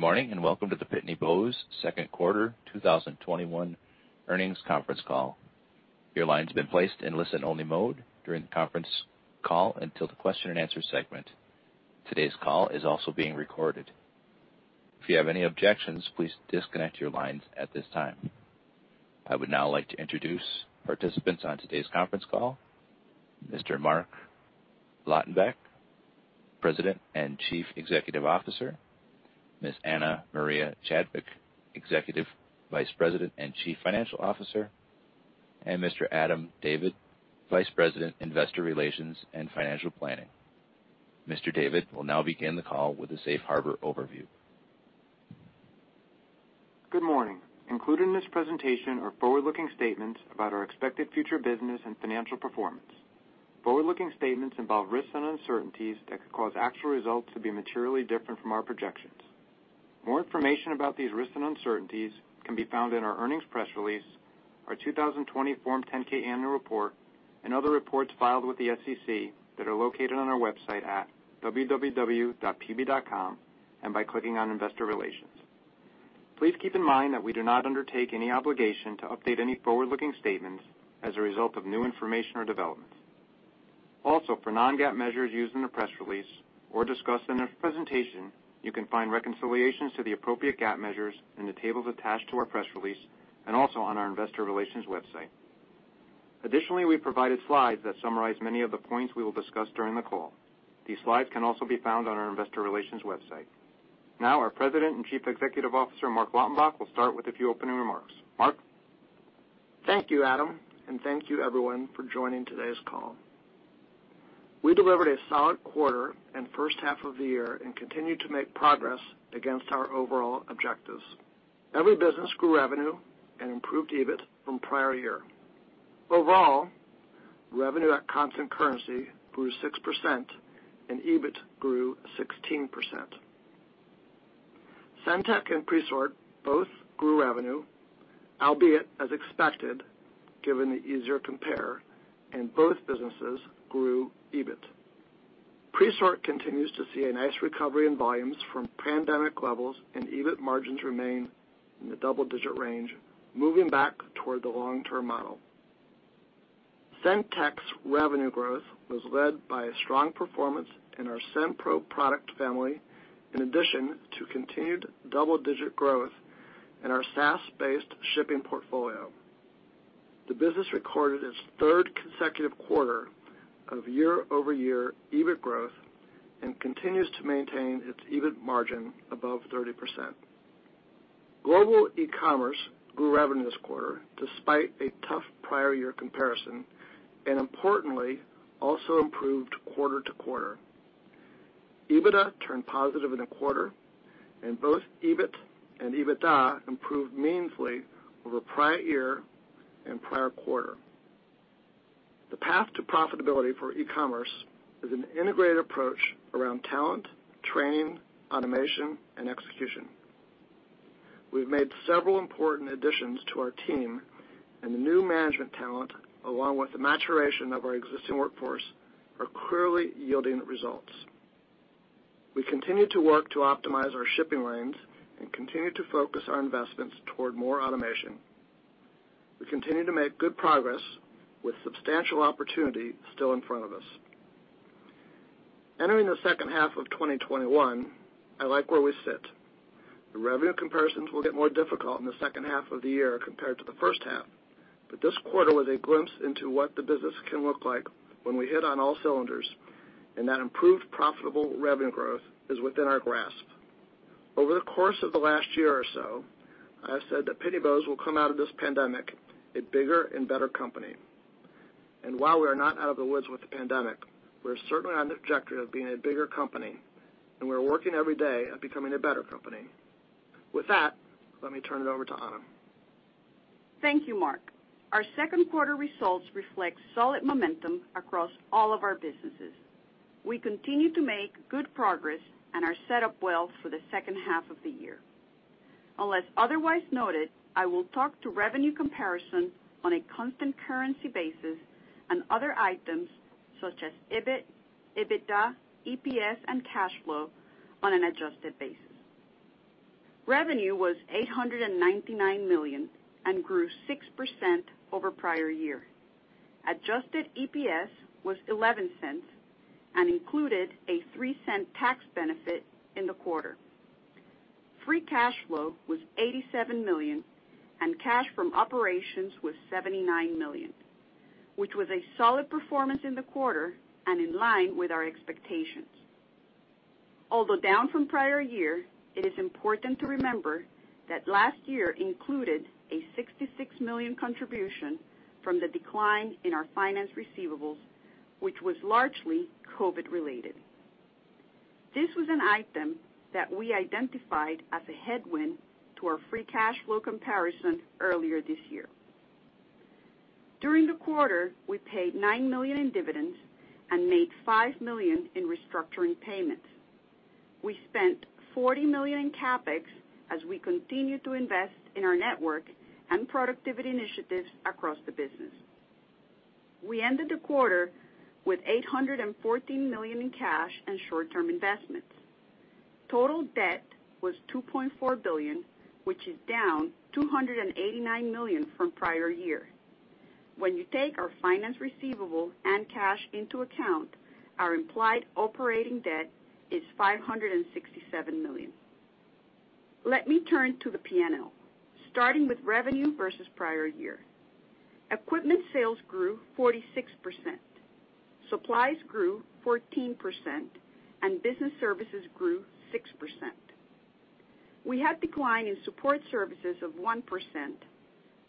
Good morning, and welcome to the Pitney Bowes second quarter 2021 earnings conference call. Your line's been placed in listen-only mode during the conference call until the question-and-answer segment. Today's call is also being recorded. If you have any objections, please disconnect your lines at this time. I would now like to introduce participants on today's conference call. Mr. Marc Lautenbach, President and Chief Executive Officer, Ms. Ana Maria Chadwick, Executive Vice President and Chief Financial Officer, and Mr. Adam David, Vice President, Investor Relations and Financial Planning. Mr. David will now begin the call with a safe harbor overview. Good morning. Included in this presentation are forward-looking statements about our expected future business and financial performance. Forward-looking statements involve risks and uncertainties that could cause actual results to be materially different from our projections. More information about these risks and uncertainties can be found in our earnings press release, our 2020 Form 10-K annual report, and other reports filed with the SEC that are located on our website at www.pb.com and by clicking on Investor Relations. Please keep in mind that we do not undertake any obligation to update any forward-looking statements as a result of new information or developments. Also, for non-GAAP measures used in the press release or discussed in the presentation, you can find reconciliations to the appropriate GAAP measures in the tables attached to our press release and also on our Investor Relations website. Additionally, we provided slides that summarize many of the points we will discuss during the call. These slides can also be found on our investor relations website. Our President and Chief Executive Officer, Marc Lautenbach, will start with a few opening remarks. Marc? Thank you, Adam, and thank you everyone for joining today's call. We delivered a solid quarter and first half of the year and continued to make progress against our overall objectives. Every business grew revenue and improved EBIT from prior year. Overall, revenue at constant currency grew 6%, and EBIT grew 16%. SendTech and Presort both grew revenue, albeit as expected given the easier compare, and both businesses grew EBIT. Presort continues to see a nice recovery in volumes from pandemic levels, and EBIT margins remain in the double-digit range, moving back toward the long-term model. SendTech's revenue growth was led by a strong performance in our SendPro product family, in addition to continued double-digit growth in our SaaS-based shipping portfolio. The business recorded its third consecutive quarter of year-over-year EBIT growth and continues to maintain its EBIT margin above 30%. Global E-commerce grew revenue this quarter despite a tough prior year comparison, and importantly, also improved quarter-to-quarter. EBITDA turned positive in the quarter, and both EBIT and EBITDA improved meaningfully over prior year and prior quarter. The path to profitability for e-commerce is an integrated approach around talent, training, automation, and execution. We've made several important additions to our team, and the new management talent, along with the maturation of our existing workforce, are clearly yielding results. We continue to work to optimize our shipping lanes and continue to focus our investments toward more automation. We continue to make good progress with substantial opportunity still in front of us. Entering the second half of 2021, I like where we sit. The revenue comparisons will get more difficult in the second half of the year compared to the first half, but this quarter was a glimpse into what the business can look like when we hit on all cylinders, and that improved profitable revenue growth is within our grasp. Over the course of the last year or so, I have said that Pitney Bowes will come out of this pandemic a bigger and better company. While we are not out of the woods with the pandemic, we're certainly on the trajectory of being a bigger company, and we're working every day at becoming a better company. With that, let me turn it over to Ana. Thank you, Marc. Our second quarter results reflect solid momentum across all of our businesses. We continue to make good progress and are set up well for the second half of the year. Unless otherwise noted, I will talk to revenue comparison on a constant currency basis and other items such as EBIT, EBITDA, EPS, and cash flow on an adjusted basis. Revenue was $899 million and grew 6% over prior year. Adjusted EPS was $0.11 and included a $0.03 tax benefit in the quarter. Free cash flow was $87 million, and cash from operations was $79 million, which was a solid performance in the quarter and in line with our expectations. Although down from prior year, it is important to remember that last year included a $66 million contribution from the decline in our finance receivables, which was largely COVID related. This was an item that we identified as a headwind to our free cash flow comparison earlier this year. During the quarter, we paid $9 million in dividends and made $5 million in restructuring payments. We spent $40 million in CapEx as we continue to invest in our network and productivity initiatives across the business. We ended the quarter with $814 million in cash and short-term investments. Total debt was $2.4 billion, which is down $289 million from prior year. When you take our finance receivable and cash into account, our implied operating debt is $567 million. Let me turn to the P&L, starting with revenue versus prior year. Equipment sales grew 46%, supplies grew 14%, and business services grew 6%. We had decline in support services of 1%,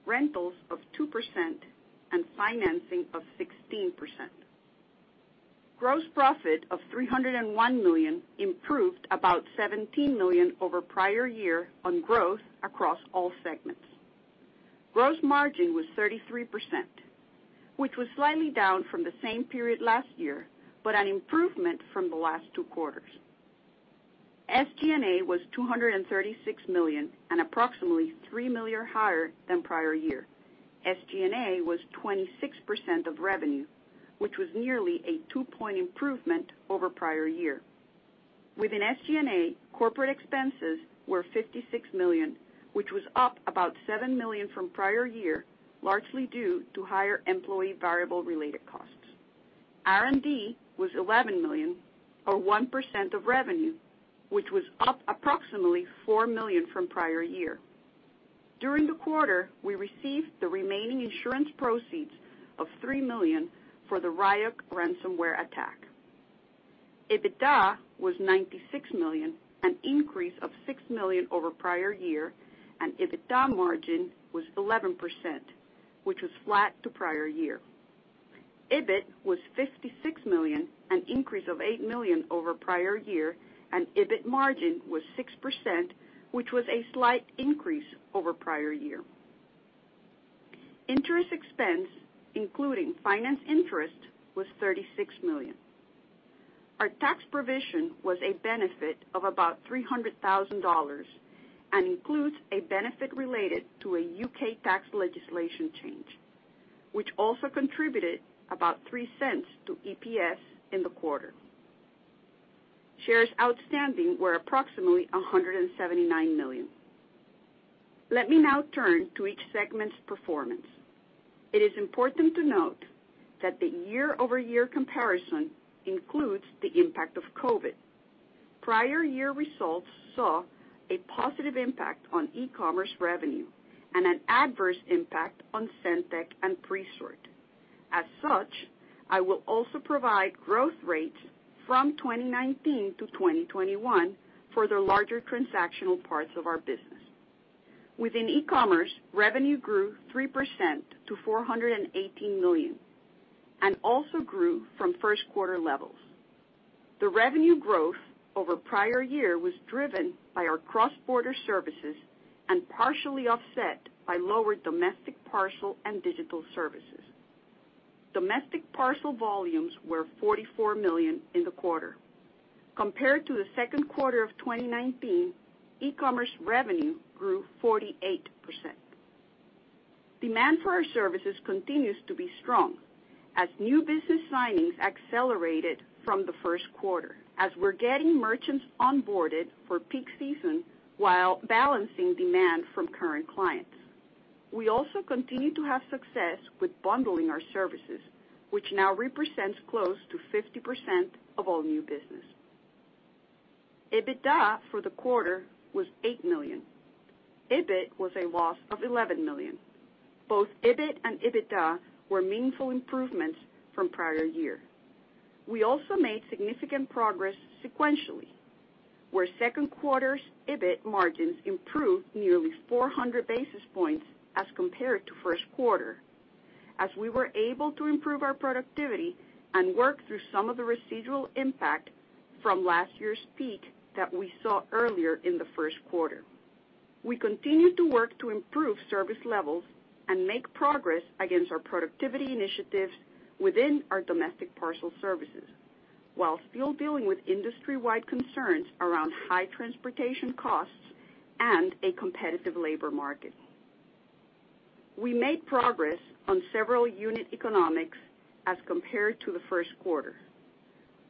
rentals of 2%, and financing of 16%. Gross profit of $301 million improved about $17 million over prior year on growth across all segments. Gross margin was 33%, which was slightly down from the same period last year, but an improvement from the last two quarters. SG&A was $236 million and approximately $3 million higher than prior year. SG&A was 26% of revenue, which was nearly a two-point improvement over prior year. Within SG&A, corporate expenses were $56 million, which was up about $7 million from prior year, largely due to higher employee variable related costs. R&D was $11 million, or 1% of revenue, which was up approximately $4 million from prior year. During the quarter, we received the remaining insurance proceeds of $3 million for the Ryuk ransomware attack. EBITDA was $96 million, an increase of $6 million over prior year, and EBITDA margin was 11%, which was flat to prior year. EBIT was $56 million, an increase of $8 million over prior year, and EBIT margin was 6%, which was a slight increase over prior year. Interest expense, including finance interest, was $36 million. Our tax provision was a benefit of about $300,000 and includes a benefit related to a U.K. tax legislation change, which also contributed about $0.03 to EPS in the quarter. Shares outstanding were approximately 179 million. Let me now turn to each segment's performance. It is important to note that the year-over-year comparison includes the impact of COVID. Prior year results saw a positive impact on e-commerce revenue and an adverse impact on SendTech and Presort. I will also provide growth rates from 2019-2021 for the larger transactional parts of our business. Within e-commerce, revenue grew 3% to $418 million and also grew from first quarter levels. The revenue growth over prior year was driven by our cross-border services and partially offset by lower domestic parcel and digital services. Domestic parcel volumes were $44 million in the quarter. Compared to the second quarter of 2019, e-commerce revenue grew 48%. Demand for our services continues to be strong as new business signings accelerated from the first quarter, as we're getting merchants onboarded for peak season while balancing demand from current clients. We also continue to have success with bundling our services, which now represents close to 50% of all new business. EBITDA for the quarter was $8 million. EBIT was a loss of $11 million. Both EBIT and EBITDA were meaningful improvements from prior year. We also made significant progress sequentially, where second quarter's EBIT margins improved nearly 400 basis points as compared to first quarter, as we were able to improve our productivity and work through some of the residual impact from last year's peak that we saw earlier in the first quarter. We continue to work to improve service levels and make progress against our productivity initiatives within our domestic parcel services, while still dealing with industry-wide concerns around high transportation costs and a competitive labor market. We made progress on several unit economics as compared to the first quarter,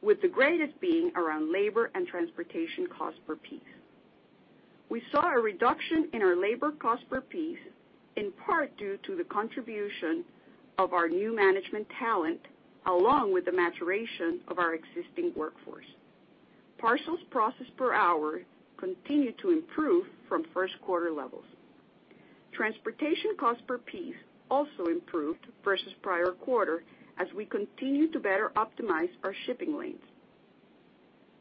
with the greatest being around labor and transportation cost per piece. We saw a reduction in our labor cost per piece, in part due to the contribution of our new management talent, along with the maturation of our existing workforce. Parcels processed per hour continued to improve from first quarter levels. Transportation cost per piece also improved versus prior quarter as we continue to better optimize our shipping lanes.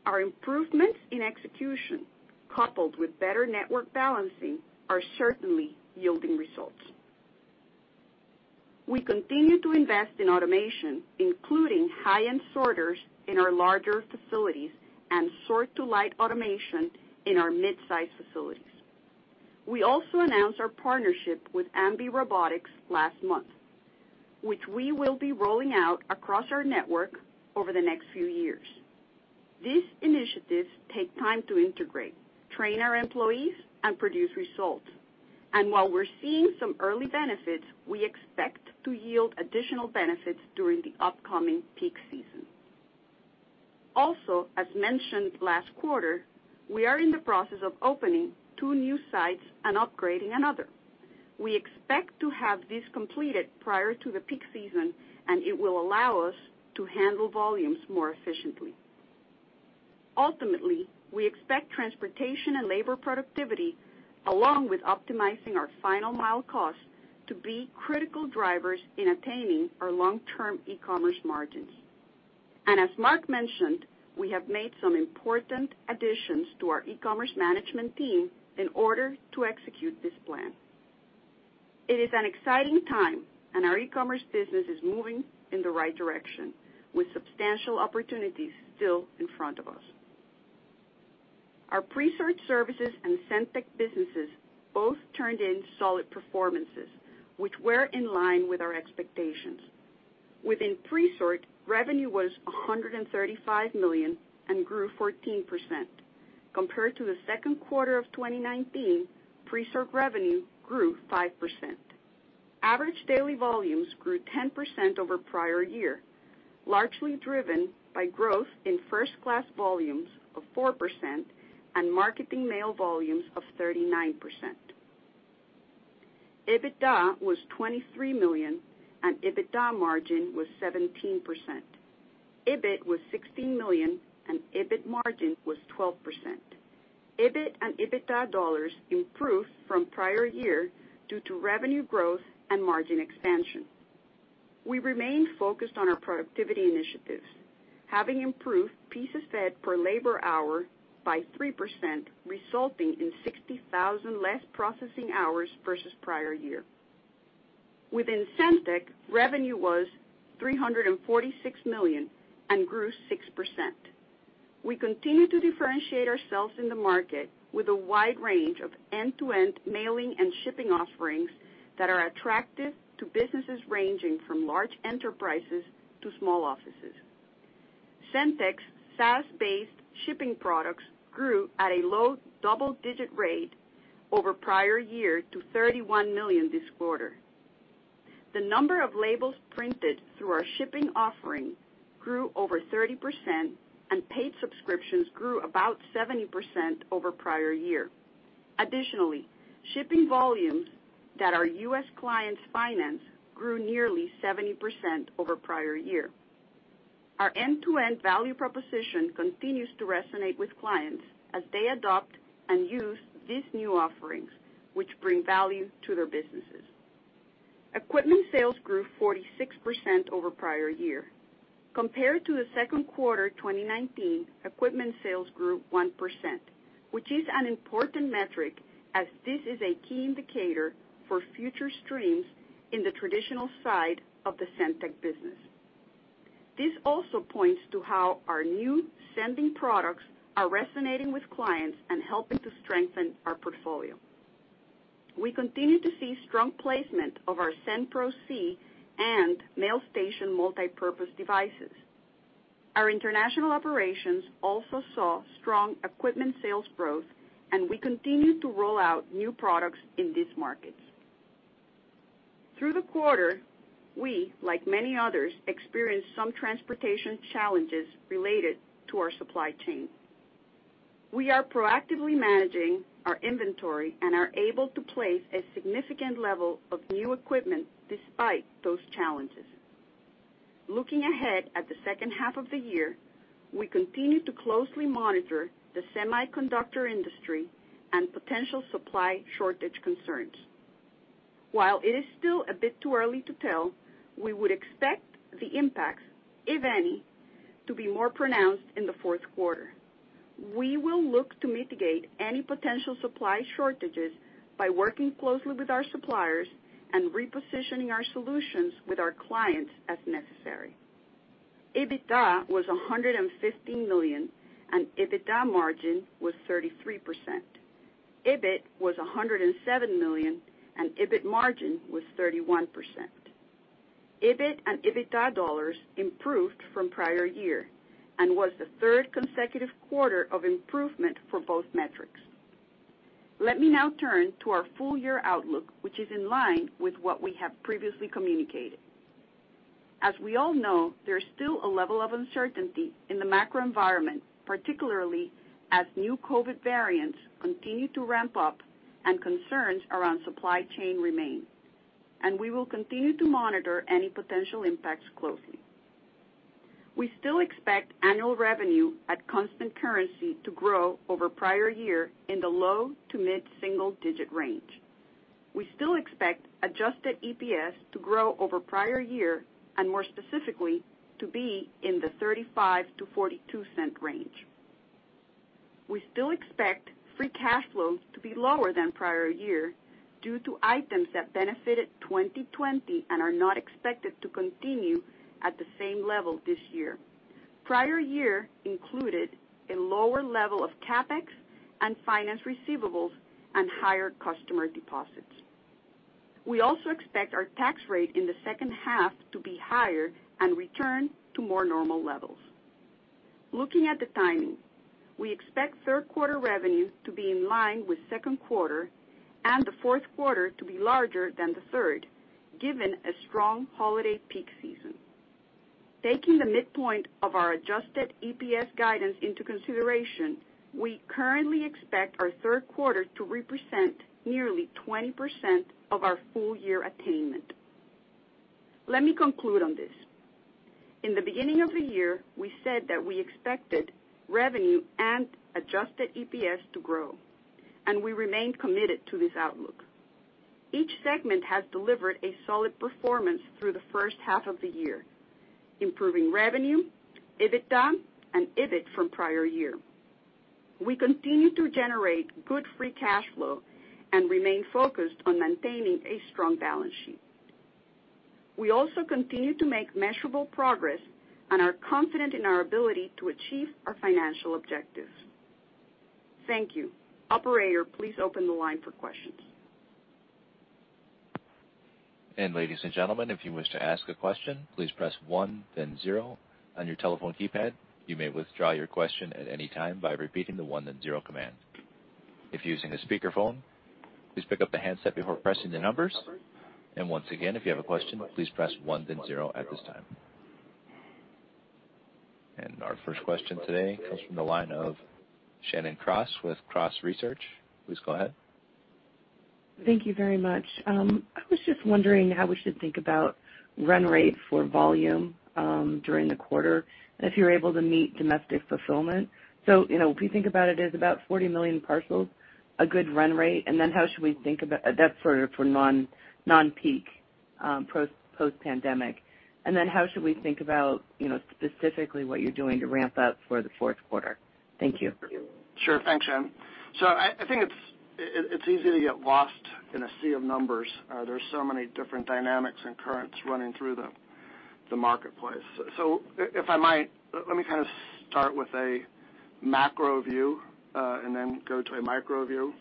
Our improvements in execution, coupled with better network balancing, are certainly yielding results. We continue to invest in automation, including high-end sorters in our larger facilities and sort to light automation in our mid-size facilities. We also announced our partnership with Ambi Robotics last month, which we will be rolling out across our network over the next few years. These initiatives take time to integrate, train our employees, and produce results. While we're seeing some early benefits, we expect to yield additional benefits during the upcoming peak season. Also, as mentioned last quarter, we are in the process of opening two new sites and upgrading another. We expect to have this completed prior to the peak season, and it will allow us to handle volumes more efficiently. Ultimately, we expect transportation and labor productivity, along with optimizing our final mile cost, to be critical drivers in attaining our long-term e-commerce margins. As Marc mentioned, we have made some important additions to our e-commerce management team in order to execute this plan. It is an exciting time, and our e-commerce business is moving in the right direction, with substantial opportunities still in front of us. Our Presort Services and SendTech businesses both turned in solid performances, which were in line with our expectations. Within Presort, revenue was $135 million and grew 14%. Compared to the second quarter of 2019, Presort revenue grew 5%. Average daily volumes grew 10% over prior year, largely driven by growth in first-class volumes of 4% and marketing mail volumes of 39%. EBITDA was $23 million, and EBITDA margin was 17%. EBIT was $16 million, and EBIT margin was 12%. EBIT and EBITDA dollars improved from prior year due to revenue growth and margin expansion. We remain focused on our productivity initiatives, having improved pieces fed per labor hour by 3%, resulting in 60,000 less processing hours versus prior year. Within SendTech, revenue was $346 million and grew 6%. We continue to differentiate ourselves in the market with a wide range of end-to-end mailing and shipping offerings that are attractive to businesses ranging from large enterprises to small offices. SendTech's SaaS-based shipping products grew at a low double-digit rate over prior year to $31 million this quarter. The number of labels printed through our shipping offering grew over 30%, and paid subscriptions grew about 70% over prior year. Additionally, shipping volumes that our U.S. clients finance grew nearly 70% over prior year. Our end-to-end value proposition continues to resonate with clients as they adopt and use these new offerings, which bring value to their businesses. Equipment sales grew 46% over prior year. Compared to the second quarter 2019, equipment sales grew 1%, which is an important metric as this is a key indicator for future streams in the traditional side of the SendTech business. This also points to how our new sending products are resonating with clients and helping to strengthen our portfolio. We continue to see strong placement of our SendPro C and mailstation multipurpose devices. Our international operations also saw strong equipment sales growth, and we continue to roll out new products in these markets. Through the quarter, we, like many others, experienced some transportation challenges related to our supply chain. We are proactively managing our inventory and are able to place a significant level of new equipment despite those challenges. Looking ahead at the second half of the year, we continue to closely monitor the semiconductor industry and potential supply shortage concerns. While it is still a bit too early to tell, we would expect the impacts, if any, to be more pronounced in the fourth quarter. We will look to mitigate any potential supply shortages by working closely with our suppliers and repositioning our solutions with our clients as necessary. EBITDA was $115 million, and EBITDA margin was 33%. EBIT was $107 million, and EBIT margin was 31%. EBIT and EBITDA dollars improved from prior year and was the third consecutive quarter of improvement for both metrics. Let me now turn to our full year outlook, which is in line with what we have previously communicated. As we all know, there's still a level of uncertainty in the macro environment, particularly as new COVID variants continue to ramp up and concerns around supply chain remain. We will continue to monitor any potential impacts closely. We still expect annual revenue at constant currency to grow over prior year in the low to mid-single digit range. We still expect adjusted EPS to grow over prior year, and more specifically, to be in the $0.35-$0.42 range. We still expect free cash flow to be lower than prior year due to items that benefited 2020 and are not expected to continue at the same level this year. Prior year included a lower level of CapEx and finance receivables and higher customer deposits. We also expect our tax rate in the second half to be higher and return to more normal levels. Looking at the timing, we expect third quarter revenue to be in line with second quarter and the fourth quarter to be larger than the third, given a strong holiday peak season. Taking the midpoint of our adjusted EPS guidance into consideration, we currently expect our third quarter to represent nearly 20% of our full year attainment. Let me conclude on this. In the beginning of the year, we said that we expected revenue and adjusted EPS to grow, and we remain committed to this outlook. Each segment has delivered a solid performance through the first half of the year, improving revenue, EBITDA, and EBIT from prior year. We continue to generate good free cash flow and remain focused on maintaining a strong balance sheet. We also continue to make measurable progress and are confident in our ability to achieve our financial objectives. Thank you. Operator, please open the line for questions. And ladies and gentlemen, if you wish to ask a question, please press one then zero on your telephone keypad. You may withdraw your question at any time by repeating the one then zero command. If you're using a speakerphone, please pick up the handset before pressing the numbers. And once again, if you have a question, please press one then zero at this time. And our first question today comes from the line of Shannon Cross with Cross Research. Please go ahead. Thank you very much. I was just wondering how we should think about run rate for volume, during the quarter, and if you're able to meet domestic fulfillment. If we think about it as about 40 million parcels, a good run rate, and then how should we think about it for non-peak, post-pandemic? How should we think about, specifically what you're doing to ramp up for the fourth quarter? Thank you. Sure. Thanks, Shannon. I think it's easy to get lost in a sea of numbers. There's so many different dynamics and currents running through the marketplace. If I might, let me start with a macro view, and then go to a micro view.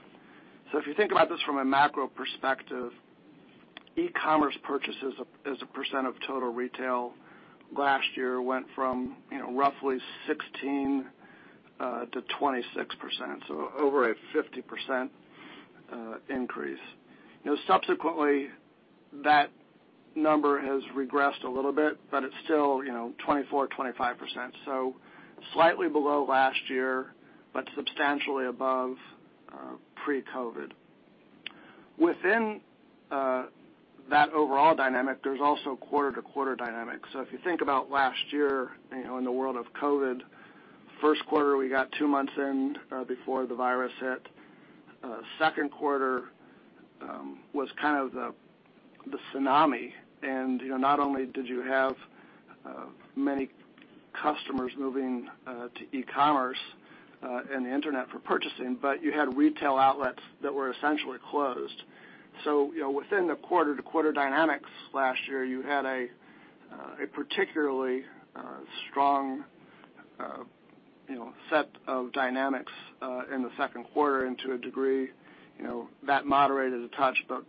If you think about this from a macro perspective, e-commerce purchases as a percent of total retail last year went from roughly 16% to 26%, over a 50% increase. Subsequently, that number has regressed a little bit, but it's still 24%, 25%. Slightly below last year, but substantially above pre-COVID. Within that overall dynamic, there's also quarter-to-quarter dynamics. If you think about last year, in the world of COVID, first quarter we got two months in, before the virus hit. Second quarter was kind of the tsunami. Not only did you have many customers moving to e-commerce, and the internet for purchasing, but you had retail outlets that were essentially closed. Within the quarter-to-quarter dynamics last year, you had a particularly strong set of dynamics, in the second quarter and to a degree that moderated a touch, but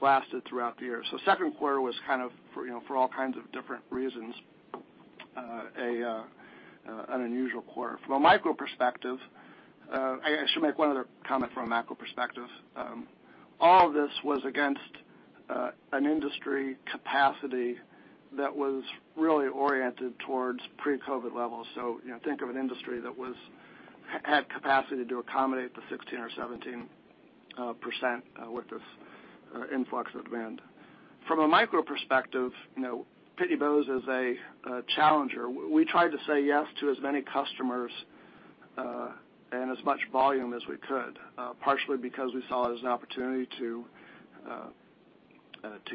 lasted throughout the year. The second quarter was for all kinds of different reasons an unusual quarter. I should make one other comment from a macro perspective. All of this was against an industry capacity that was really oriented towards pre-COVID levels. Think of an industry that had capacity to accommodate the 16% or 17% with this influx of demand. From a micro perspective, Pitney Bowes is a challenger. We tried to say yes to as many customers, and as much volume as we could, partially because we saw it as an opportunity to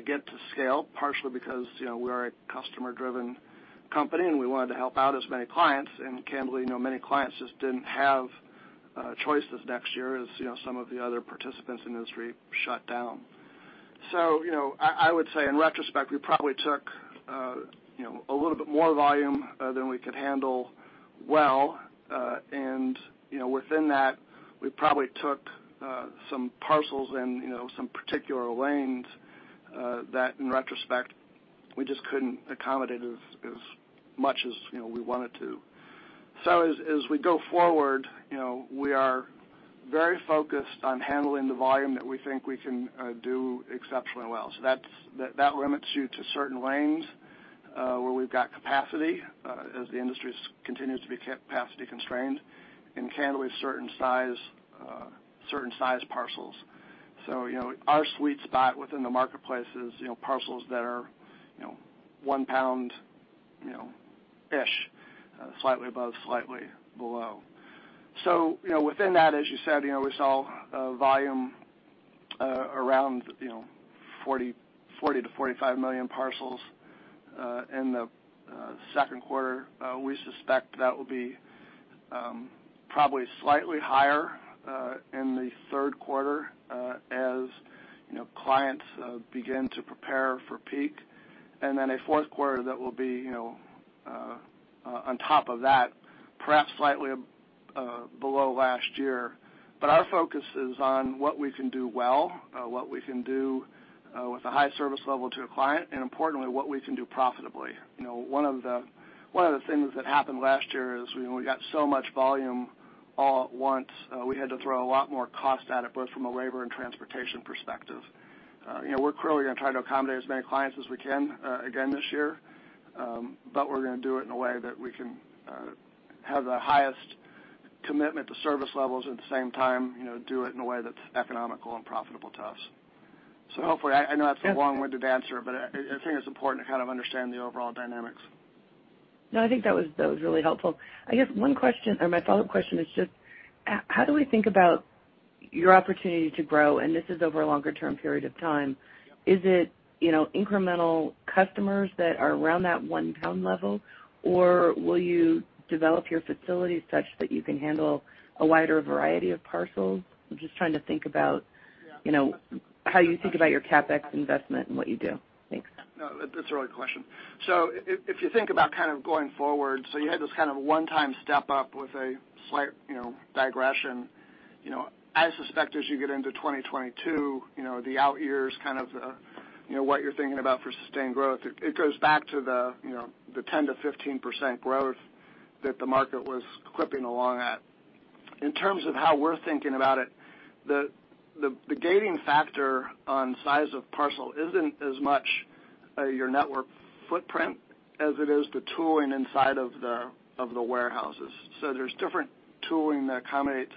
get to scale, partially because we are a customer-driven company, and we wanted to help out as many clients. Candidly, many clients just didn't have choices next year as some of the other participants in the industry shut down. I would say in retrospect, we probably took a little bit more volume than we could handle well. Within that, we probably took some parcels and some particular lanes that in retrospect, we just couldn't accommodate as much as we wanted to. As we go forward, we are very focused on handling the volume that we think we can do exceptionally well. That limits you to certain lanes, where we've got capacity, as the industry continues to be capacity constrained and candidly certain size parcels. Our sweet spot within the marketplace is parcels that are 1 lbs-ish, slightly above, slightly below. Within that, as you said, we saw volume around 40 million-45 million parcels, in the second quarter. We suspect that will be probably slightly higher, in the third quarter, as clients begin to prepare for peak. A fourth quarter that will be on top of that, perhaps slightly below last year. Our focus is on what we can do well, what we can do with a high service level to a client, and importantly, what we can do profitably. One of the things that happened last year is we got so much volume all at once. We had to throw a lot more cost at it, both from a labor and transportation perspective. We're clearly going to try to accommodate as many clients as we can again this year, but we're going to do it in a way that we can have the highest commitment to service levels. At the same time, do it in a way that's economical and profitable to us. Hopefully. I know that's a long-winded answer, but I think it's important to kind of understand the overall dynamics. No, I think that was really helpful. I guess my follow-up question is just, how do we think about your opportunity to grow, and this is over a longer term period of time. Is it incremental customers that are around that 1 lbs level, or will you develop your facility such that you can handle a wider variety of parcels? I'm just trying to think about how you think about your CapEx investment and what you do. Thanks. No, that's a really good question. If you think about going forward, you had this kind of one-time step up with a slight digression. I suspect as you get into 2022, the out years, what you're thinking about for sustained growth, it goes back to the 10%-15% growth that the market was clipping along at. In terms of how we're thinking about it, the gating factor on size of parcel isn't as much your network footprint as it is the tooling inside of the warehouses. There's different tooling that accommodates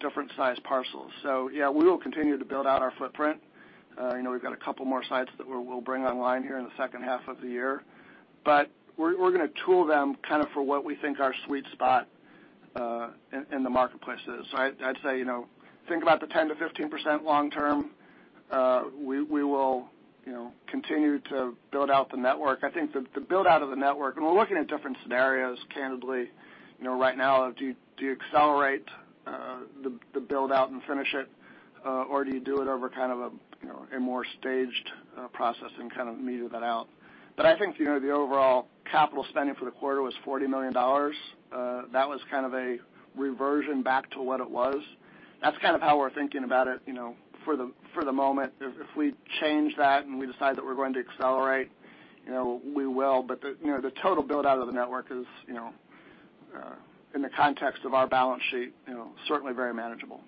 different size parcels. Yeah, we will continue to build out our footprint. We've got a couple more sites that we'll bring online here in the second half of the year, but we're going to tool them for what we think our sweet spot in the marketplace is. I'd say, think about the 10%-15% long term. We will continue to build out the network. I think the build-out of the network, and we're looking at different scenarios, candidly, right now. Do you accelerate the build-out and finish it, or do you do it over a more staged process and kind of meter that out. I think the overall capital spending for the quarter was $40 million. That was kind of a reversion back to what it was. That's kind of how we're thinking about it, for the moment. If we change that and we decide that we're going to accelerate, we will. The total build-out of the network is, in the context of our balance sheet, certainly very manageable.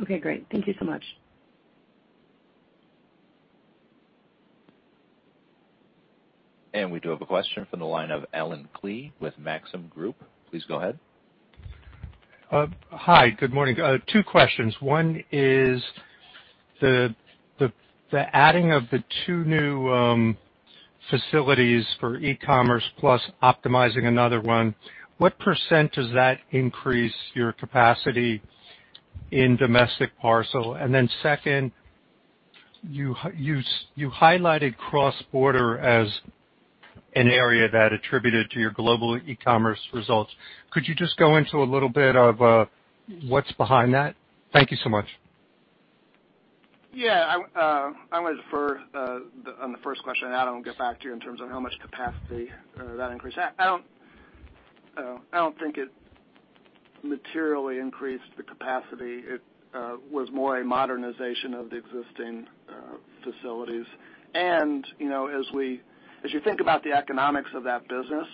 Okay, great. Thank you so much. We do have a question from the line of Allen Klee with Maxim Group. Please go ahead. Hi, good morning. Two questions. One is the adding of the two new facilities for e-commerce plus optimizing another one, what percent does that increase your capacity in domestic parcel? Then second, you highlighted cross-border as an area that attributed to your Global E-commerce results. Could you just go into a little bit of what's behind that? Thank you so much. Yeah. I'm going to defer on the first question, Allen, get back to you in terms of how much capacity that increased at. I don't think it materially increased the capacity. It was more a modernization of the existing facilities. As you think about the economics of that business,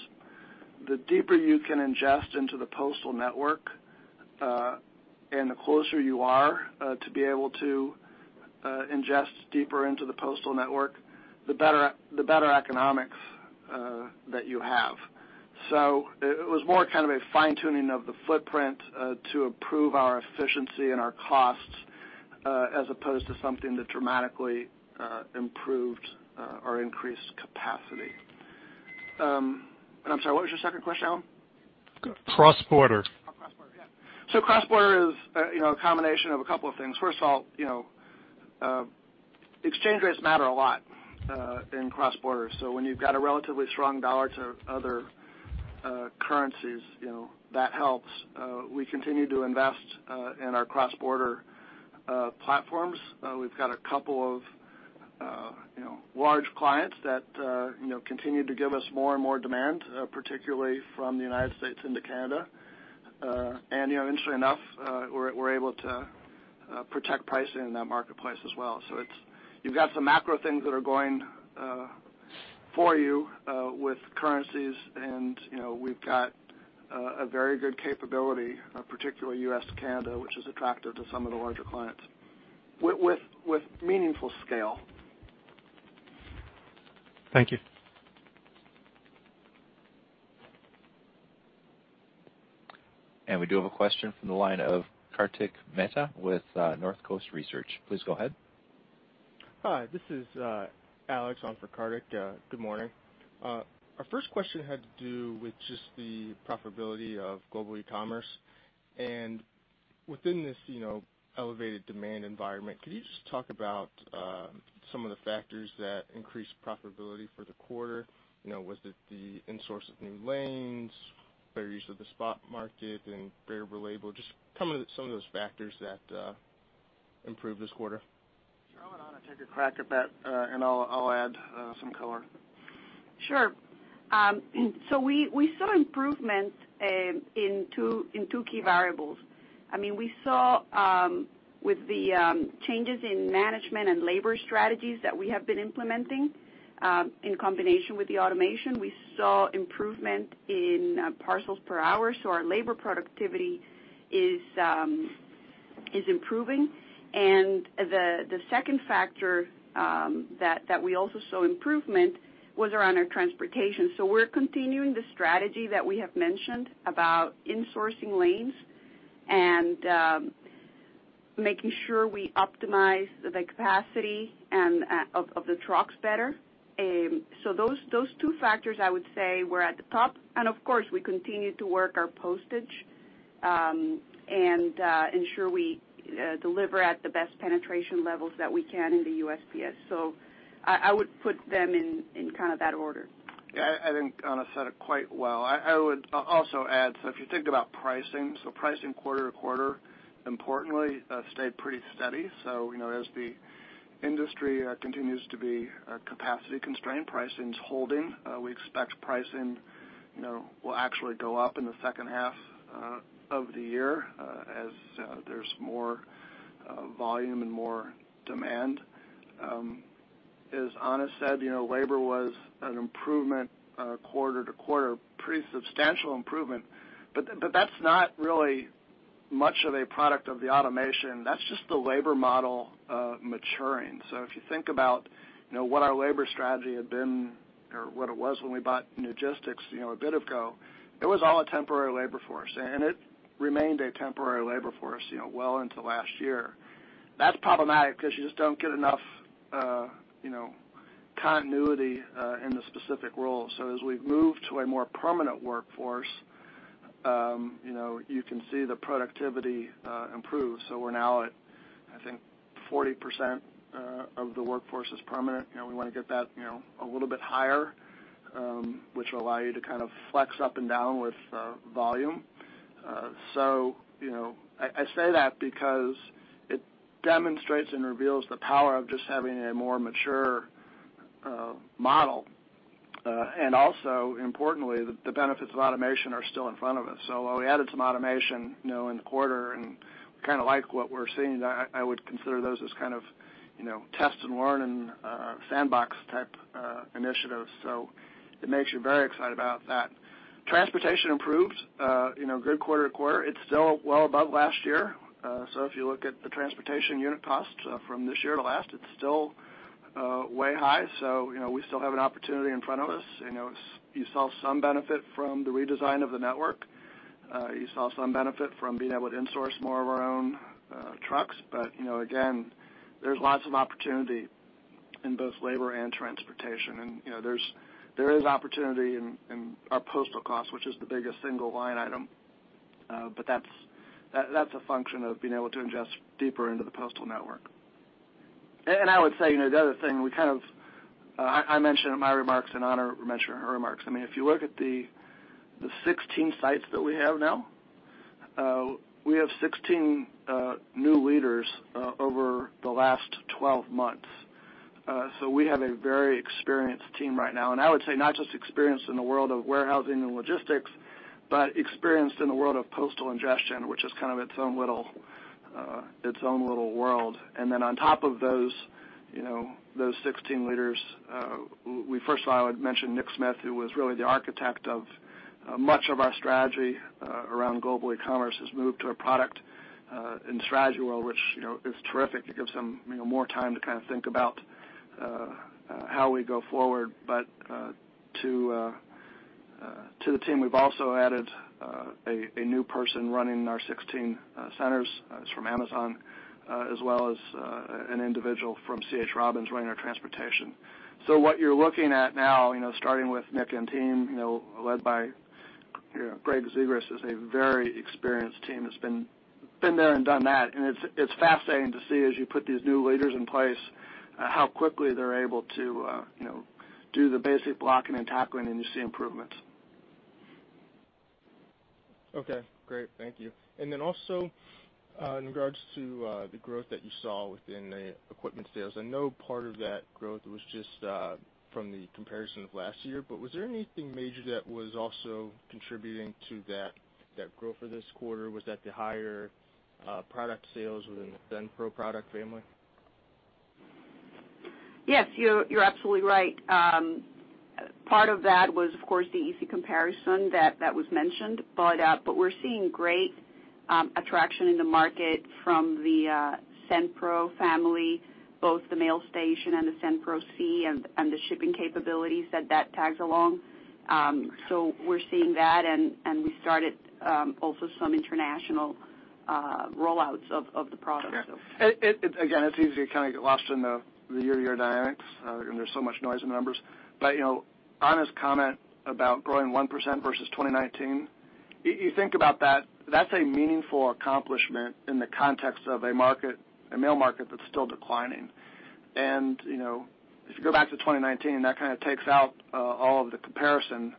the deeper you can ingest into the postal network, and the closer you are to be able to ingest deeper into the postal network, the better economics that you have. It was more kind of a fine-tuning of the footprint to improve our efficiency and our costs, as opposed to something that dramatically improved or increased capacity. I'm sorry, what was your second question, Allen? Cross-border. Cross-border, yeah. Cross-border is a combination of a couple of things. First of all, exchange rates matter a lot in cross-border. When you've got a relatively strong dollar to other currencies, that helps. We continue to invest in our cross-border platforms. We've got a couple of large clients that continue to give us more and more demand, particularly from the U.S. into Canada. Interestingly enough, we're able to protect pricing in that marketplace as well. You've got some macro things that are going for you with currencies, and we've got a very good capability, particularly U.S. to Canada, which is attractive to some of the larger clients with meaningful scale. Thank you. We do have a question from the line of Kartik Mehta with Northcoast Research. Please go ahead. Hi, this is Alex on for Kartik. Good morning. Our first question had to do with just the profitability of Global E-commerce. Within this elevated demand environment, could you just talk about some of the factors that increased profitability for the quarter? Was it the in-source of new lanes, better use of the spot market and variable labor? Just comment on some of those factors that improved this quarter. Sure. Why don't Ana take a crack at that, and I'll add some color. Sure. We saw improvements in two key variables. We saw with the changes in management and labor strategies that we have been implementing, in combination with the automation, we saw improvement in parcels per hour. Our labor productivity is improving. The second factor that we also saw improvement was around our transportation. We're continuing the strategy that we have mentioned about insourcing lanes and making sure we optimize the capacity of the trucks better. Those two factors, I would say, were at the top. Of course, we continue to work our postage, and ensure we deliver at the best penetration levels that we can in the USPS. I would put them in that order. Yeah, I think Ana said it quite well. I would also add, if you think about pricing quarter-to-quarter, importantly, stayed pretty steady. As the industry continues to be capacity constrained, pricing's holding. We expect pricing will actually go up in the second half of the year, as there's more volume and more demand. As Ana said, labor was an improvement, quarter-to-quarter, pretty substantial improvement, but that's not really much of a product of the automation. That's just the labor model maturing. If you think about what our labor strategy had been or what it was when we bought Newgistics a bit ago, it was all a temporary labor force, and it remained a temporary labor force well into last year. That's problematic because you just don't get enough continuity in the specific role. As we've moved to a more permanent workforce, you can see the productivity improve. We're now at, I think, 40% of the workforce is permanent. We want to get that a little bit higher, which will allow you to kind of flex up and down with volume. I say that because it demonstrates and reveals the power of just having a more mature model. Also importantly, the benefits of automation are still in front of us. While we added some automation in the quarter, and we kind of like what we're seeing, I would consider those as kind of test and learn and sandbox type initiatives. It makes you very excited about that. Transportation improved, good quarter-over-quarter. It's still well above last year. If you look at the transportation unit costs from this year to last, it's still way high. We still have an opportunity in front of us. You saw some benefit from the redesign of the network. You saw some benefit from being able to in-source more of our own trucks. Again, there's lots of opportunity in both labor and transportation, and there is opportunity in our postal costs, which is the biggest single line item. That's a function of being able to ingest deeper into the postal network. I would say, the other thing I mentioned in my remarks, and Ana mentioned in her remarks, if you look at the 16 sites that we have now, we have 16 new leaders over the last 12 months. We have a very experienced team right now. I would say not just experienced in the world of warehousing and logistics, but experienced in the world of postal ingestion, which is kind of its own little world. Then on top of those 16 leaders, we first of all, I would mention Nick Smith, who was really the architect of much of our strategy around Global E-commerce, has moved to a product and strategy role, which is terrific. It gives him more time to think about how we go forward. To the team, we've also added a new person running our 16 centers from Amazon, as well as an individual from C.H. Robinson running our transportation. What you're looking at now, starting with Nick and team, led by Gregg Zegras, is a very experienced team that's been there and done that. It's fascinating to see as you put these new leaders in place, how quickly they're able to do the basic blocking and tackling, and you see improvements. Okay, great. Thank you. Also, in regards to the growth that you saw within the equipment sales, I know part of that growth was just from the comparison of last year, but was there anything major that was also contributing to that growth for this quarter? Was that the higher product sales within the SendPro product family? Yes, you're absolutely right. Part of that was, of course, the easy comparison that was mentioned. We're seeing great traction in the market from the SendPro family, both the Mailstation and the SendPro C, and the shipping capabilities that tags along. We're seeing that, and we started also some international rollouts of the products. It's easy to kind of get lost in the year-over-year dynamics, and there's so much noise in the numbers. Ana's comment about growing 1% versus 2019, you think about that's a meaningful accomplishment in the context of a mail market that's still declining. If you go back to 2019, that kind of takes out all of the comparison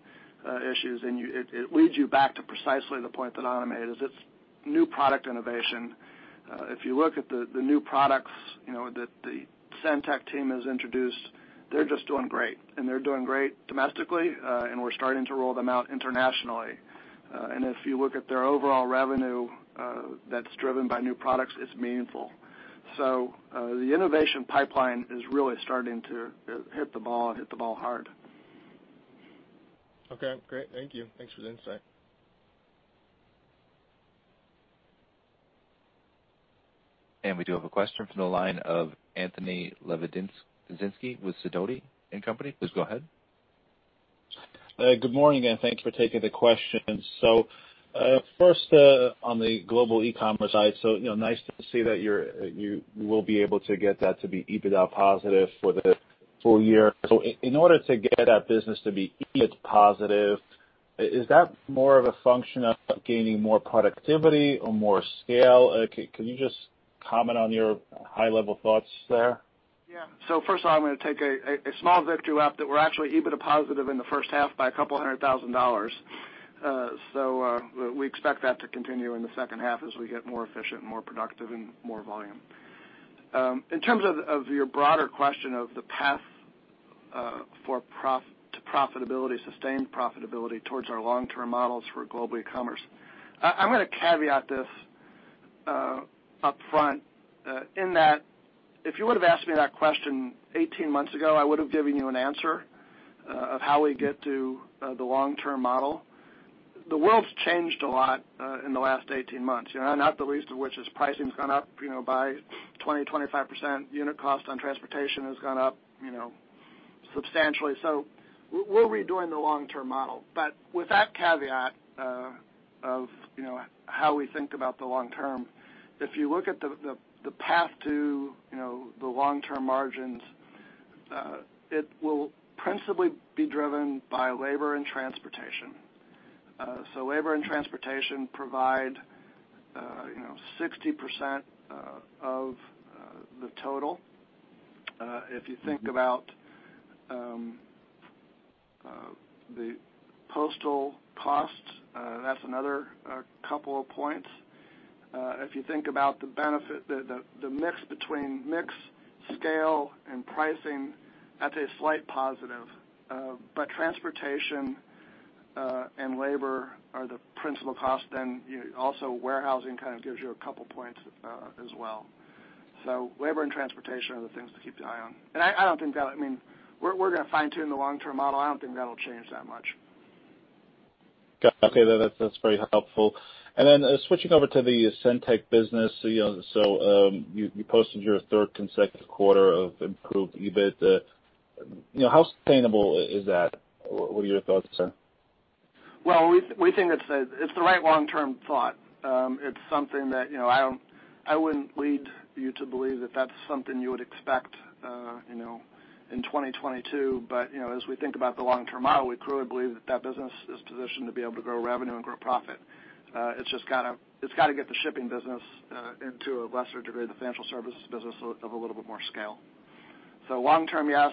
issues, and it leads you back to precisely the point that Ana made, is it's new product innovation. If you look at the new products that the SendTech team has introduced, they're just doing great. They're doing great domestically, and we're starting to roll them out internationally. If you look at their overall revenue that's driven by new products, it's meaningful. The innovation pipeline is really starting to hit the ball hard. Okay, great. Thank you. Thanks for the insight. We do have a question from the line of Anthony Lebiedzinski with Sidoti & Company. Please go ahead. Good morning, and thank you for taking the questions. First, on the Global E-commerce side, nice to see that you will be able to get that to be EBITDA positive for the full year. In order to get that business to be EBIT positive, is that more of a function of gaining more productivity or more scale? Can you just comment on your high-level thoughts there? First of all, I'm going to take a small victory lap that we're actually EBITDA positive in the first half by a couple of hundred thousand dollars. We expect that to continue in the second half as we get more efficient, more productive, and more volume. In terms of your broader question of the path to sustained profitability towards our long-term models for Global E-commerce, I'm going to caveat this upfront, in that if you would've asked me that question 18 months ago, I would've given you an answer of how we get to the long-term model. The world's changed a lot in the last 18 months, not the least of which is pricing's gone up by 20%-25%. Unit cost on transportation has gone up substantially. We're redoing the long-term model. With that caveat of how we think about the long term, if you look at the path to the long-term margins, it will principally be driven by labor and transportation. Labor and transportation provide 60% of the total. If you think about the postal costs, that's another couple points. If you think about the mix between mix, scale, and pricing, that's a slight positive. Transportation and labor are the principal cost. Also warehousing kind of gives you a couple of points as well. Labor and transportation are the things to keep an eye on. We're going to fine-tune the long-term model. I don't think that'll change that much. Got it. Okay, that's very helpful. Switching over to the SendTech business, you posted your third consecutive quarter of improved EBIT. How sustainable is that? What are your thoughts there? Well, we think it's the right long-term thought. It's something that I wouldn't lead you to believe that that's something you would expect in 2022. As we think about the long-term model, we clearly believe that that business is positioned to be able to grow revenue and grow profit. It's got to get the shipping business into, a lesser degree, the financial services business of a little bit more scale. Long term, yes.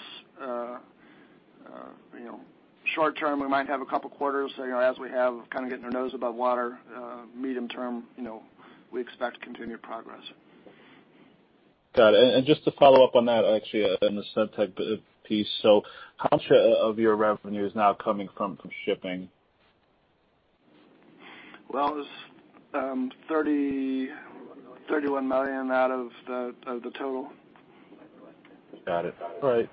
Short term, we might have a couple of quarters as we have kind of getting our nose above water. Medium term, we expect continued progress. Got it. Just to follow up on that, actually, on the SendTech piece, so how much of your revenue is now coming from shipping? Well, it was $31 million out of the total. Got it. All right.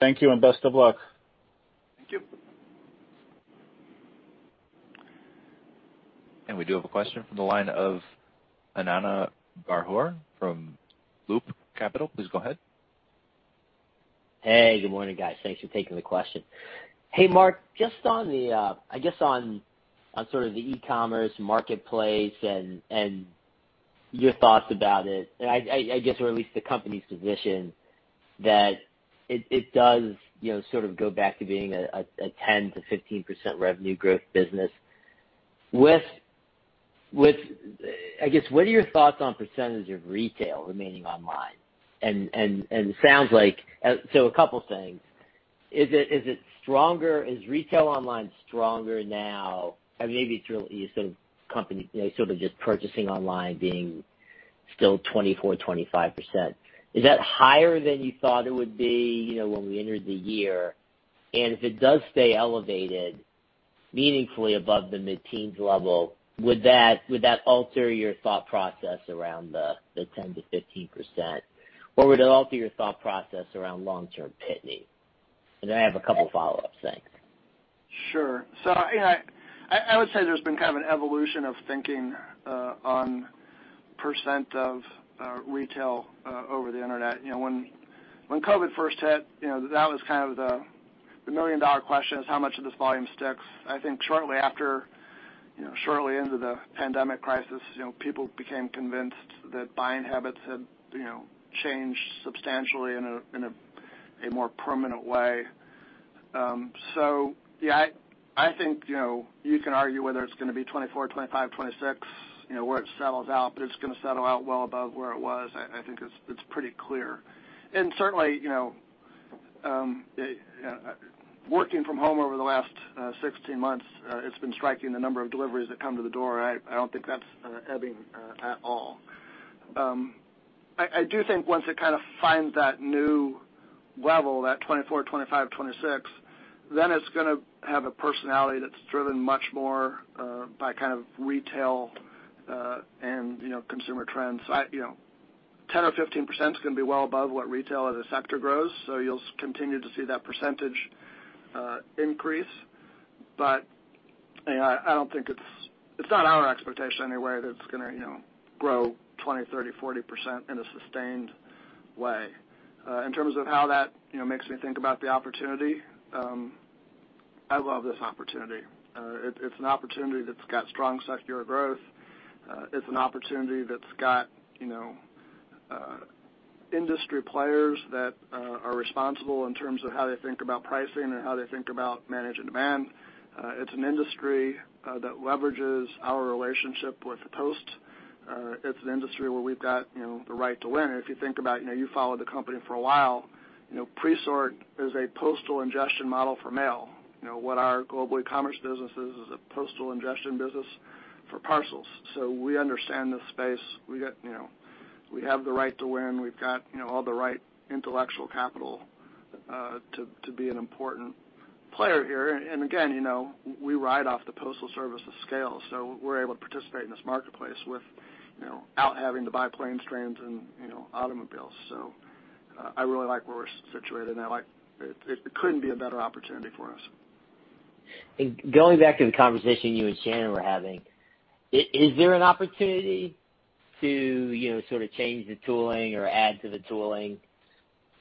Thank you and best of luck. Thank you. We do have a question from the line of Ananda Baruah from Loop Capital. Please go ahead. Hey, good morning, guys. Thanks for taking the question. Hey, Marc, just on the e-commerce marketplace and your thoughts about it, or at least the company's position that it does go back to being a 10%-15% revenue growth business. What are your thoughts on percentage of retail remaining online? A couple of things. Is retail online stronger now? Maybe just purchasing online being still 24%, 25%. Is that higher than you thought it would be when we entered the year? If it does stay elevated meaningfully above the mid-teens level, would that alter your thought process around the 10%-15%? Would it alter your thought process around long-term Pitney Bowes? I have a couple of follow-ups. Thanks. Sure. I would say there's been kind of an evolution of thinking on percent of retail over the Internet. When COVID first hit, that was kind of the million-dollar question, is how much of this volume sticks? I think shortly into the pandemic crisis, people became convinced that buying habits had changed substantially in a more permanent way. Yeah, I think you can argue whether it's going to be 2024, 2025, 2026, where it settles out, but it's going to settle out well above where it was. I think it's pretty clear. Certainly, working from home over the last 16 months, it's been striking the number of deliveries that come to the door. I don't think that's ebbing at all. I do think once it kind of finds that new level, that 2024, 2025, 2026, then it's going to have a personality that's driven much more by kind of retail and consumer trends. 10% or 15% is going to be well above what retail as a sector grows. You'll continue to see that percentage increase. It's not our expectation anywhere that it's going to grow 20%, 30%, 40% in a sustained way. In terms of how that makes me think about the opportunity, I love this opportunity. It's an opportunity that's got strong secular growth. It's an opportunity that's got industry players that are responsible in terms of how they think about pricing and how they think about managing demand. It's an industry that leverages our relationship with the USPS. It's an industry where we've got the right to win. If you think about it, you've followed the company for a while. Presort is a postal ingestion model for mail. What our Global E-commerce business is a postal ingestion business for parcels. We understand this space. We have the right to win. We've got all the right intellectual capital to be an important player here. Again, we ride off the postal service of scale. We're able to participate in this marketplace without having to buy plane fleets and automobiles. I really like where we're situated now. It couldn't be a better opportunity for us. Going back to the conversation you and Shannon were having, is there an opportunity to sort of change the tooling or add to the tooling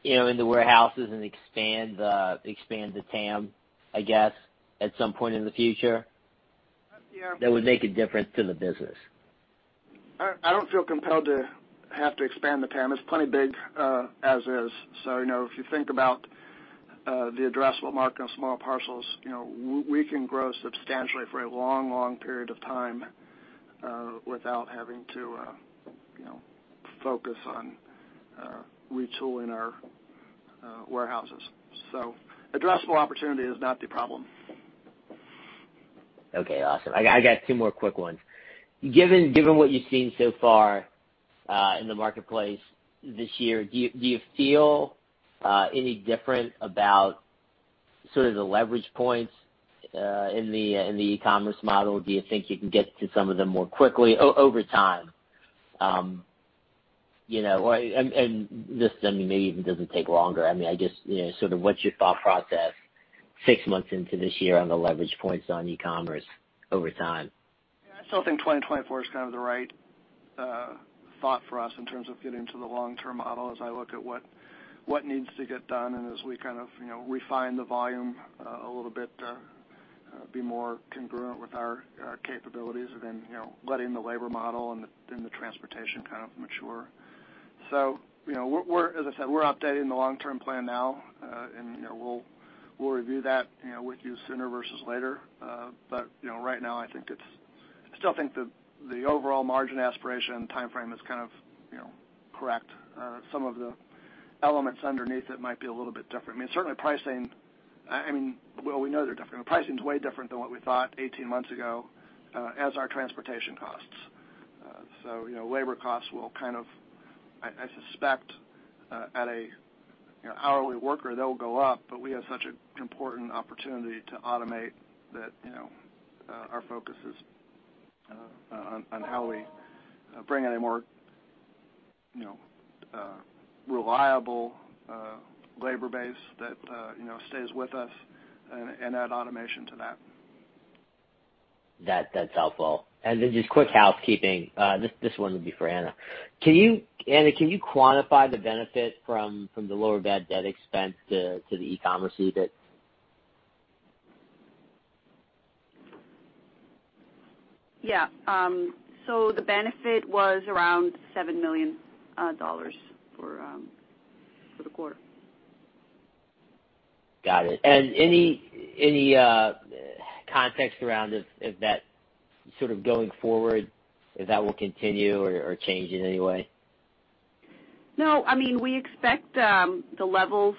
in the warehouses and expand the TAM, I guess, at some point in the future that would make a difference to the business? I don't feel compelled to have to expand the TAM. It's plenty big as is. If you think about the addressable market on small parcels, we can grow substantially for a long period of time without having to focus on retooling our warehouses. Addressable opportunity is not the problem. Okay, awesome. I got two more quick ones. Given what you've seen so far in the marketplace this year, do you feel any different about sort of the leverage points in the e-commerce model? Do you think you can get to some of them more quickly over time? This maybe even doesn't take longer. I mean, sort of what's your thought process six months into this year on the leverage points on e-commerce over time? Yeah, I still think 2024 is kind of the right thought for us in terms of getting to the long-term model as I look at what needs to get done, and as we kind of refine the volume a little bit to be more congruent with our capabilities and then letting the labor model and the transportation kind of mature. As I said, we're updating the long-term plan now. We'll review that with you sooner versus later. Right now, I still think that the overall margin aspiration timeframe is kind of correct. Some of the elements underneath it might be a little bit different. I mean, certainly pricing, well, we know they're different. Pricing's way different than what we thought 18 months ago, as are transportation costs. Labor costs will kind of, I suspect at an hourly worker, they'll go up, but we have such an important opportunity to automate that our focus is on how we bring in a more reliable labor base that stays with us and add automation to that. That's helpful. Just quick housekeeping. This one would be for Ana. Ana, can you quantify the benefit from the lower bad debt expense to the e-commerce receipt? The benefit was around $7 million for the quarter. Got it. Any context around if that sort of going forward, if that will continue or change in any way? No. We expect the levels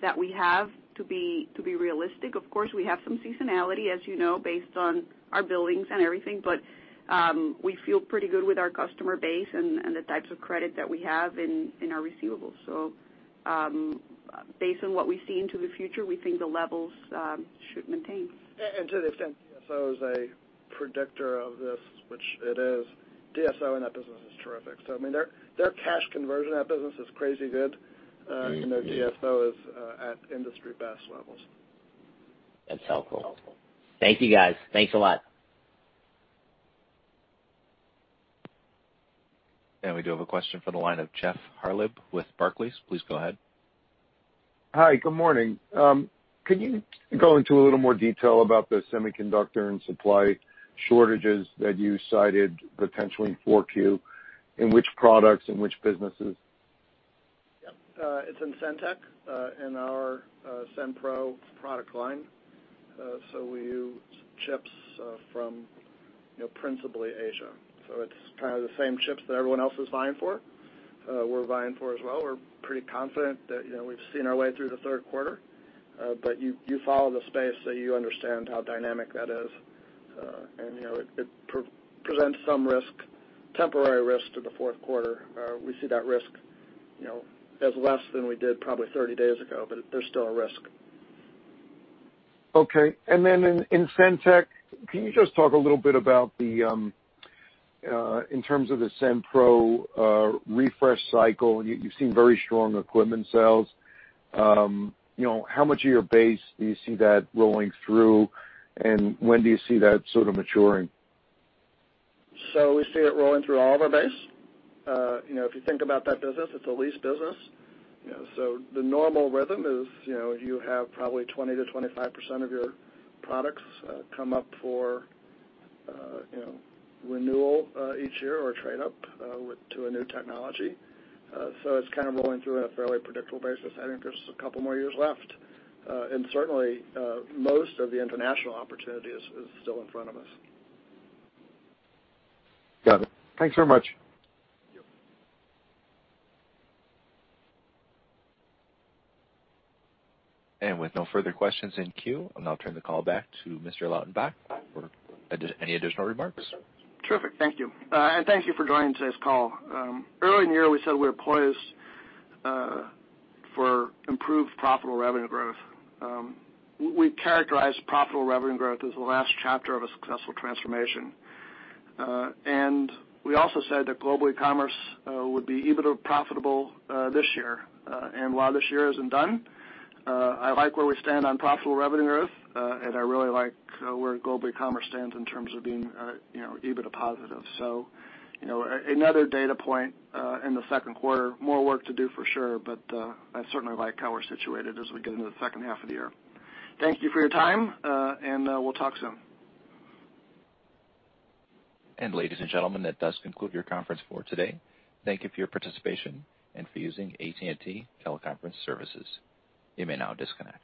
that we have to be realistic. Of course, we have some seasonality as you know, based on our billings and everything. We feel pretty good with our customer base and the types of credit that we have in our receivables. Based on what we see into the future, we think the levels should maintain. To the extent DSO is a predictor of this, which it is, DSO in that business is terrific. Their cash conversion in that business is crazy good. DSO is at industry best levels. That's helpful. Thank you, guys. Thanks a lot. We do have a question for the line of Jeff Harlib with Barclays. Please go ahead. Hi, good morning. Could you go into a little more detail about the semiconductor and supply shortages that you cited potentially in 4Q? In which products? In which businesses? Yep. It's in SendTech, in our SendPro product line. We use chips from principally Asia. It's kind of the same chips that everyone else is buying for, we're buying for as well. We're pretty confident that we've seen our way through the third quarter. You follow the space, so you understand how dynamic that is. It presents some risk, temporary risk to the fourth quarter. We see that risk as less than we did probably 30 days ago, but there's still a risk. Okay. In SendTech, can you just talk a little bit about in terms of the SendPro refresh cycle, you've seen very strong equipment sales. How much of your base do you see that rolling through, and when do you see that sort of maturing? We see it rolling through all of our base. If you think about that business, it's a lease business. The normal rhythm is you have probably 20%-25% of your products come up for renewal each year or trade up to a new technology. It's kind of rolling through on a fairly predictable basis. I think there's a couple more years left. Certainly, most of the international opportunity is still in front of us. Got it. Thanks very much. Thank you. With no further questions in queue, I'll now turn the call back to Mr. Lautenbach for any additional remarks. Terrific. Thank you. Thank you for joining today's call. Early in the year, we said we were poised for improved profitable revenue growth. We characterized profitable revenue growth as the last chapter of a successful transformation. We also said that Global Ecommerce would be EBITDA profitable this year. While this year isn't done, I like where we stand on profitable revenue growth, and I really like where Global Ecommerce stands in terms of being EBITDA positive. Another data point in the 2nd quarter. More work to do for sure, I certainly like how we're situated as we get into the 2nd half of the year. Thank you for your time, we'll talk soon. Ladies and gentlemen, that does conclude your conference for today. Thank you for your participation and for using AT&T Teleconference Services. You may now disconnect.